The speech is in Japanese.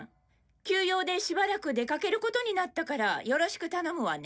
急用でしばらく出かけることになったからよろしく頼むわね。